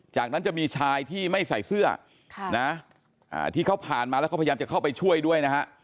จากนั้นจะมีชายที่ไม่ใส่เสื้อที่เขาผ่านมาแล้วเขาพยายามจะเข้าไปช่วยด้วยนะฮะ